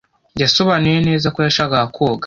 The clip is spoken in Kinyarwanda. Yasobanuye neza ko yashakaga koga.